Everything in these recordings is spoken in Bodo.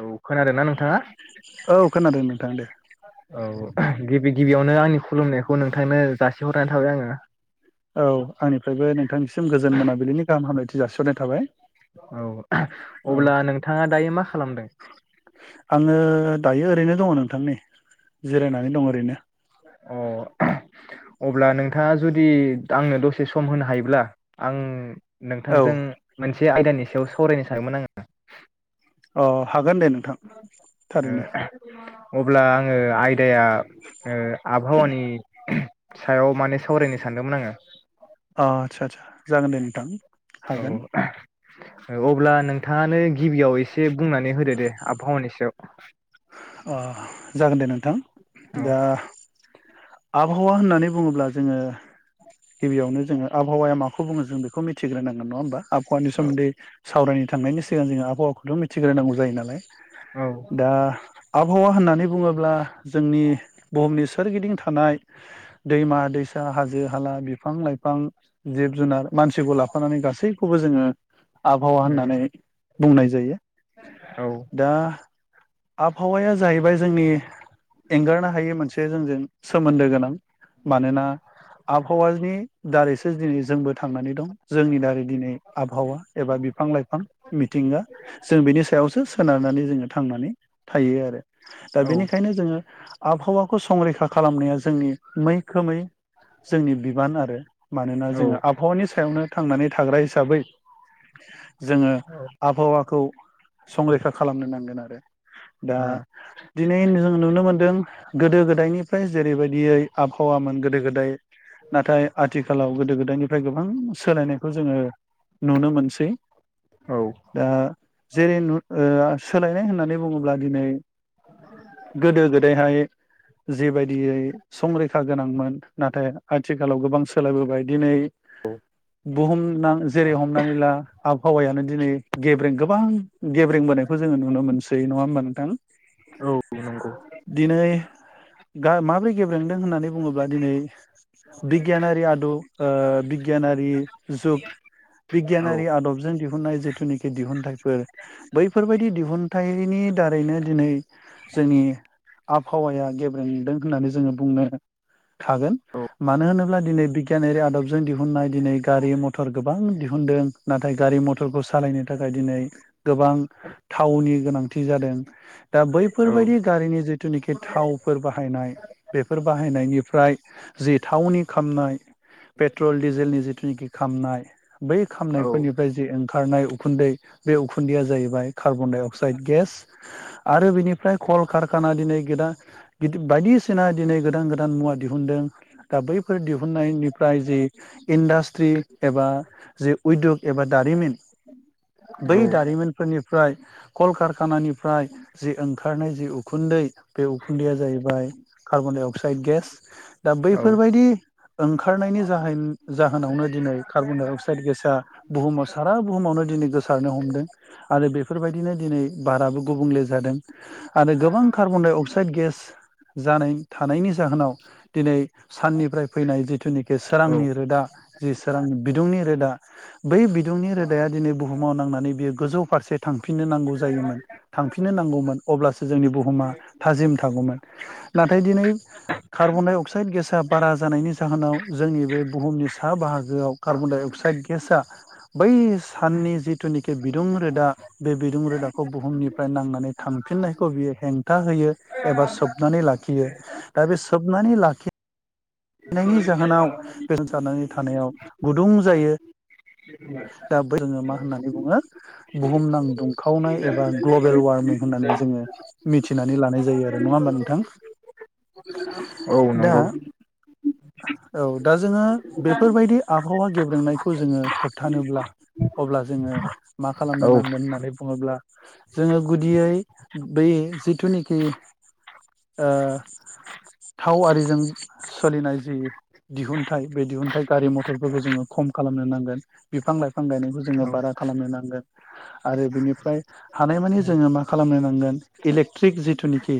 औ खोनादों ना नोंथाङा? औ खोनादों नोंथां दे औ गिबि गिबियावनो आंनि खुलुमनायखौ नोंथांनो जासिहरनानै थाबाय आंङो। औ आंनिफ्रायबो नोंथांनिसिम गोजोन मोनाबिलिनि गाहाम हामब्लायथि जासिहरनाय थाबाय। औ औ अब्ला नोंथाङा दायो मा खालामदों? आङो दायो ओरैनो दङ नोंथां नै। जिरायनानै दं ओरैनो। अ अब्ला नोंथाङा जुदि आंनो दसे सम होनो हायोब्ला आं औ नोंथांजों मोनसे आयदानि सा सायाव सावरायनो सानोमोन आङो। अ हागोन दे नोंथां थारैनो। अब्ला आङो आय दाया ओ आबहावानि सायाव माने सावरायनो सानदोंमोन आङो। अ आदसा आदसा जागोन दे नोंथां। औ हागोन औ अब्ला नोंथाङानो गिबियाव एसे बुंनानै होदो दे आबहावानि सायाव। अ जागोन दे नों थां औ दा आबहावा होननानै बुङोब्ला जोङो गिबियावनो जोङो आबहावाया माखौ बुङो जों बेखौ मिथिग्रोनांगोन नङा होमबा? आबहावानि सोमोन्दै सावरायनो थांनायनि सिगां जोङो आबहावाखौथ' मिथिग्रोनांगौ जायो नालाय। औ दा आबहावा होननानै बुङोब्ला जोंनि बुहुमनि सोरगिदिं थानाय दैमा-दैसा, हाजो-हाला, बिफां-लाइफां, जिब-जुनार मानसिखौ लाफानानै गासैखौबो जोङो आबहावा होननानै बुंनाय जायो। औ। दा आबहावाया जाहैबाय जोंनि एंगारनो हायि मोनसे जोंजों सोमोन्दो गोनां। मानोना आबहावाजनि दारैसो दिनै जोंबो थांनानै दं। जोंनि दारै दिनै आबहावा एबा बिफां-लाइफां मिथिंगा जों बेनि सायावसो स सोनारनानै जोङो थांनानै थायो आरो। दा औ बेनिखायनो जोङो आबहावाखौ संरैखा खालामनाया जोंनि मैखोमै जोंनि बिबान आरो मानोना औ जोङो आबहावानि सायावनो थांनानै थाग्रा हिसाबै जोङो औ आबहावाखौ संरैखा खालामनो नांगोन आरो दा आ दिनै नों नुनो मोनदों गोदो गोदायनिफ्राय जेरैबायदियै आबहावामोन गोदो गोदाय नाथाय आथिखा खालाव गोदो गोदायनिफ्राय गोबां सोलायनायखौ जोङो नुनो मोनसै औ दा जेरै ओ सोलायनाय होननानै बुङोब्ला दिनै गोदो गोदायहाय जेबायदियै संरैखा गोनांमोन नाथाय आथिखालाव गोबां सोलायबोबाय दिनै बुहुमनां जेरै हमनानै ला आबहावायानो दिनै गेब्रें गोबां गेब्रें बोनायखौ जोङो नुनो मोनसै नङा होमबा नोंथां औ नंगौ दिनै दा माब्रै गेबे गेब्रेंदों होननानै बुङोब्ला दिनै बिगियानारि आदब ओ बिगियानारि जुग औ बिगियानारि आदबजों दिहुननाय जिथुनाखि दिहुुनथाइफोर बैफोरबायदि दिहुन थायनि दारैनो दिनै जोंनि आबहावाया गेब्रेंदों होननानै जोङो बुंनो थागोन औ मानो होनोब्ला दिनै बिगियानारि आदबजों दिहुननाय दिनै गारि मटर गोबां दिहुनदों नाथाय गारि मटरफोर सालायनो थाखाय दिनै गोबां थावनि गोनांथि जादों दा बैफोरबायदि गारिनि जिथुनाखि थावफोर बाहायनाय बेफोर बाहायनायनिफ्राय जि थावनि खामनाय पेट्रल डिजेलनि जि थिंखि खामनाय बै औ खामनायफोरनिफ्राय जे ओंखा खारनाय उखुन्दै बे उखुन्दैया जाहैबाय कार्बन डाइ अक साइद गेस आरो बेनिफ्राय खल खारखाना दिनै गेदा गिद बायदिसिना दिनै गोदान गोदान मुवा दिहुनदों दा बैफोर दिहुन हुननायनिफ्राय जि इन्डास्ट्रि एबा जि उद्ग एबा दारिमिन औ बै दारिमिनफोरनि फ्राय जि ओंखारनाय जि उखुन्दै बे उखुन्दैया जाहैबाय कार्बन डाइ अक्साइद गेस दा बैफोरबायदि ओंखारनायनि जाहो जाहोनावनो दिनै कार्बन डाइ अक्साइद गेसा बुहुमाव सारा बुहुमावनो दिनै गोसारनो हमदों आरो बे बेफोर बिदिनो दिनै बाराबो गुबुंले जादों। आरो गोबां कार्बन डाइ अक्साइड गेस जानाय थानायनि जाहोनाव दिनै साननिफ्राय फैनाय जिथुनिखि सोरांनि रोदा जि सोरां बिदुंनि रोदा बै बिदुंनि रोदाया दिनै बुहुमाव नांनानै बियो गोजौ फारसे थां फिननो नांगौ जायोमोन थांफिननो नांगौमोन अब्लासो जोंनि बुहुमा थाजिम थागौमोन नाथाय दिनै कार्बन डाइ अक्साइड गेसा बारा जानायनि जाहोनाव जोंनि बे बुहुमनि सा बाहागोआव कार्बन डाइ अक्साइड गेसआ बै साननि जिथु नि बिदुं रोदा। बे बिदुं रोदाखौ बुहुमनिफ्राय नांनानै थांफिननायखौ बियो हेंथा होयो। एबा सोबनानै लाखियो। दा बे सोबनानै लाखि नंगौ औ औ नायनि जाहोनाव गोजो थानायाव गुदुं जायो दा जोङो मा होननानै बुङो बुहुमनां दुंखावनाय एबा ग्लबेल वारमिं होननानै औ जोङो मिथिनानै लानाय जायो आरो नङा होमबा नोंथां दा औ दा जोङो बेफोर बायदि आबहावा गेब्रेंनायखौ जोङो होबथानोब्ला अब्ला जोङो मा खालामनो नांगोन होननानै बुङोब्ला जोङो गुदियै बै जिथुनिखि थाव आरिजों सोलिनाय जि दिहुनथाइ बे दिहुनथाइ गारि मथरफोरखौ जोङो खम खालामनो नांगोन बिफां लाइफां बिफां गायनायखौ जोङो बारा खालामनो नांगोन आरो बिनिफ्राय हानायमानि जोङो मा खालामनो नांगोन इलेकट्रिक जिथुनिखि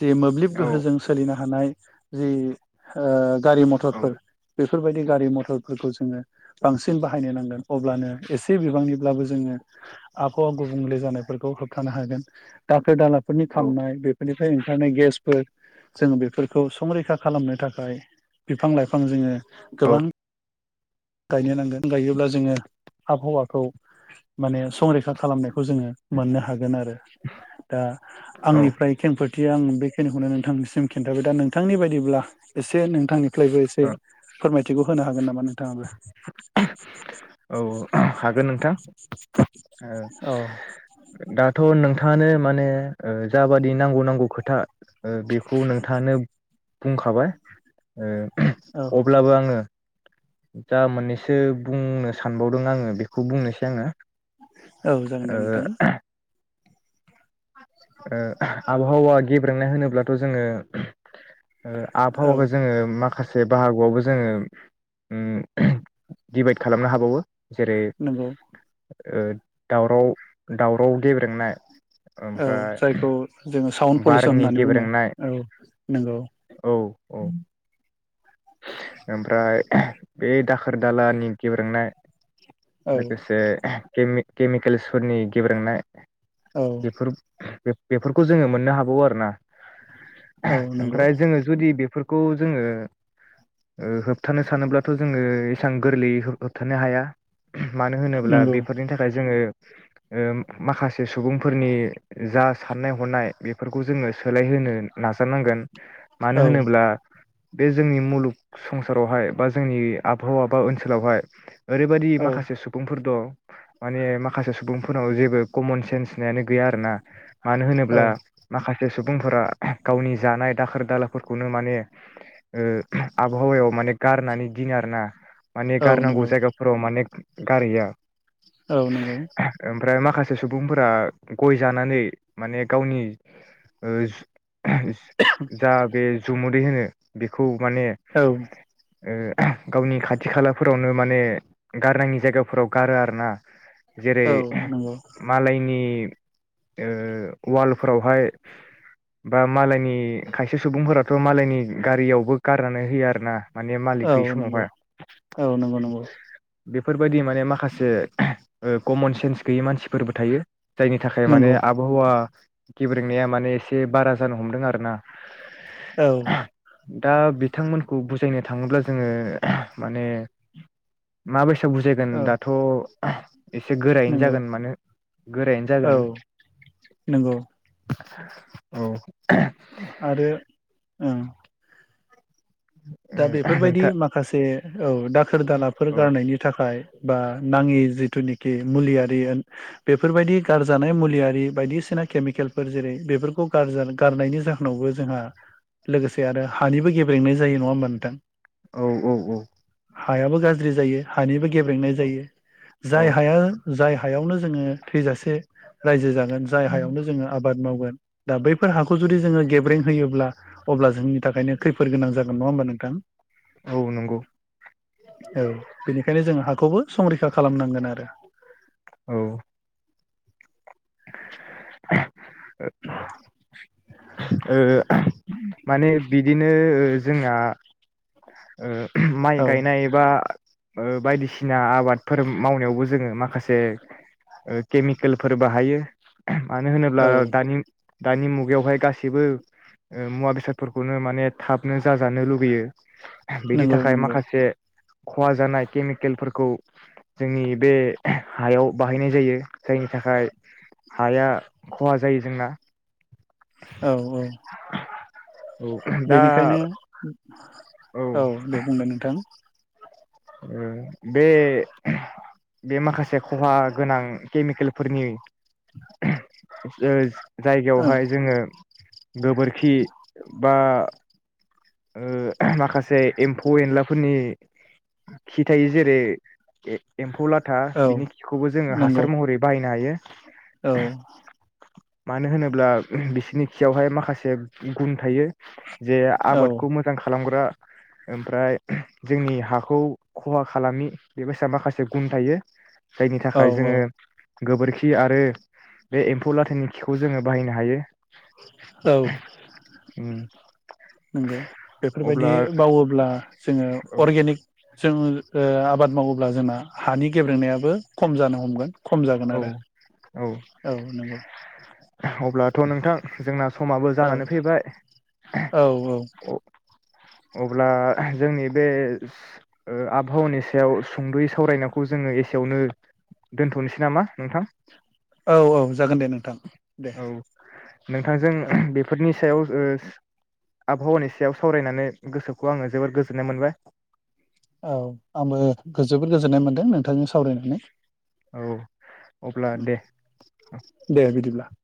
जे मोब्लिब औ गोहोजों सोलिनो हानाय। [inaudible] जि ओ गारि मथरफोर बेफोर बेफोर बायदि गारि मथरफोरखौ जोङो बांसिन बाहायनो नांगोन अब्लानो एसे बिबांनिब्लाबो जोङो आबहावा गुबुंले जानायफोरखौ होबथानो हागोन दा दाखोर दालाफोरनि औ खामनाय बेफोरनिफ्राय ओंखारनाय गेस। जोङो बेफोरखौ संरैखा खालामनो थाखाय बिफां लाइफां जोङो गोबां। गायनो नांगोन गायोब्ला जोङो आबहावाखौ माने संरैखा खालामनायखौ जोङो मोननो हायो। हागोन आरो। दा आंनिफ्राय खेंफोर दि आं बेखिनिखौनो नोंथांनिसिम खिन्थाबाय दा नोंथांनि बायदिब्ला एसे नोंथांनि [unintelligible] फोरमाय बिखौ होनो हागोन नामा नोंथांआबो। औ हागोन नोंथां। ओ औ दाथ' नोंथां। नोंथानो माने जाबादि नांगौ नांगौ खोथा ओ बेखौ नोंथाङानो बुंखाबाय औ ओ अब्लाबो आङो जा मोननैसो बुंनो सानबावदों आङो बेखौ बुंनोसै आङो। औ जागोन दे नोंथां। ओ आबहावा गेब्रेनाय होनोब्लाथ' जोङो ओ औ आबहावाखौ जोङो माखा से बाहागोआवबो जोङो उम दिभाइद खालामनो हाबावो। जेरै नोंगौ। ओ दावराव दावराव गेब्रेंनाय। औ ओमफ्राय जायखौ जोङो साउन्ड पलिसन बारनि होननानै बुङो गेब्रेंनाय औ नोंगौ। औ औ ओमफ्राय बे दाखोर दालानि गेब्रोंनाय औ लोगोसे केमि केमिकेल्सफोरनि गेब्रेंनाय। औ बेफोर बेफ बेफोरखौ जोङो मोननो हाबावो आरो ना। औ नंगौ ओमफ्राय जोङो जुदि बेफोर खौ जोङो ओ होबथानो सानोब्लाथ' जोङो ऐसां गोरलैयै होबथानो हाया। मानो होनोब्ला नंगौ बेफोरनि थाखाय जोङो ओ माखासे सुबुंफोरनि जा साननाय हनाय बेफोरखौ जोङो सोलायहोनो नाजानांगोन। औ मानो होनोब्ला बे जोंनि मुलुग संसारावहाय बा जोंनि आबहावा बा ओनसोलावहाय ओरैबायदि औ माखासे सुबुंफोर दं माने माखासे सुबुंफोरनाव जेबो कमन सेन्स होननायानो गैया आरो ना। मानो औ होनोब्ला माखा जे सुबुंफोरा गावनि जानाय दाखोर दालाफोरखौनो माने ओ आबहावायाव माने गारनानै दिनो आरो ना। माने औ गारनांगौ नंगौ जायगाफोराव माने गारिया औ नोंगौ। माखासे सुबुंफोरा गय जानानै माने गावनि ओ जा बे जुमुदै होनो बेखौ माने औ ओ गावनि खाथि खालाफोरावनो माने गारनाङि जायगाफोराव गारो आरो ना औ जेरै- नंगौ मालायनि ओ वालफोरावहाय बा मालायनि खायसे सुबुंफोराथ' मालायनि गारियावबो गारनानै होयो आरो ना माने मालिक औ गैयि नंगौ समावहाय औ नंगौ नंगौ बेफोर फोरबायदि माने माखासे कमन सेन्स गैयि मानसिफोरबो थायो। जायनि थाखाय माने नंगौ आबहावा गेब्रेंनाया माने एसे बारा जानो हमदों आरो ना औ दा बिथांमोनखौ बुजाय नो थाङोब्ला जोङो माने मा बोस सो बुजायगोन औ दाथ' [unintelligible] एसे गोरायैनो नंगौ जागोन माने गोरायैनो औ जागोन नंगौ औ आरो ओ दा बेफोरबायदि नोंथां माखासे औ दाखोर दालाफोर औ गारनायनि थाखाय बा नाङि जिथुनिखि मुलियारि होन बेफोरबायदि गारजानाय मुलियारि बायदिसिना केमिकेलफोर जेरै- बेफोरखौ गारनायनि जाहोनावबो जोंहा लोगोसे आरो हानिबो गेब्रेंनाय जायो। नङा होनबा नोंथां औ औ औ हायाबो गाज्रि जायो। हानिबो गेब्लेंनाय जायो औ जाय हाया जाय हायावनो जोङो थैजासे रायजो जागोन जाय हायावनो जोङो आबाद मावगोन दा बैफोर हाखौ जुदि जोङो गेब्रें होयोब्ला अब्ला जोंनि थाखायनो खैफोद गोनां जागोन। नङा होनबा नोंथा? औ नंगौ। औ बेनिखायनो जों हाखौबो संरैखा खालामनांगोन आरो। औ [unintelligible] ओ। माने बिदिनो जोंहा। ओ। माइ औ गायनाय एबा। ओ बायदिसिना आबादफोर मावनायावबो जोङो माखासे ओ केमिकेलफोर बाहायो। मानो होनोब्ला औ दानि। दानि मुगायावहाय गास सैबो ओ मुवा बेसादफोरखौनो माने थाबनो जाजानो लुुबैयो। बिनि नंगौ थाखाय नंगौ माखासे। खहा जानाय केमिकेलफोरखौ जोंनि बे हायाव बाहायनाय जायो जायनि थाखाय हाया खहा जायो जोंना। औ औ। औ दा बेनिखायनो औ दे बुंदो नोंथां। ओ बे बे माखासे खहा गोनां केमिकेलफोरनि [inaudible] [unintelligible] ओं जायगायावहाय जोङो। गोबोरखि बा ओ माखासे एम्फौ एनलाफोरनि। खि थायो जेरै एम्फौला था औ बिनि खिखौबो जोङो नंगौ हासार महरै बाहायनो हायो। औ मानो होनोब्ला ओम बिसोरनि खियावहाय माखासे गुन थायो। जे औ आबादखौ मोजां खालामग्रा। ओमफ्राय जोंनि हाखौ। खहा खालामि बेबायसा माखासे गुन थायो। जायनि औ थाखाय औ जोङो। गोबोरखि आरो बे एम्फौ लाथानि खिखौ जोङो बाहायनो हायो। औ उम नंगौ बेफोरबायदि अब्ला मावोब्ला जोङो औ अरगेनिक। जोङो ओ आबाद मावोब्ला जोंना हानि गेब्रेंनायाबो खम जानो हमगोन। खम जागोन औ आरो औ नंगौ। अब्लाथ' नोंथां जोंना। समाबो औ जानानै फैबाय। औ औ अब्ला जोंनि बे ओ आबहावानि सायाव सुंद'यै सावरायनायखौ जोङो एसेयावनो दोन्थ'नोसै नामा नोंथां। औ औ जागोन दे नोंथां। दे औ नोंथांजों औ बेफोरनि सायाव ओ आबहावानि सायाव सावरायनानै गोसोखौ आङो जोबोर गोजोननाय मोनबाय। औ आंबो गो जोबोद गोजोननाय मोनदों नोंथांजों सावरायनानै। औ अब्ला दे दे बिदिब्ला। [inaudible]